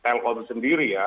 dari telkom sendiri ya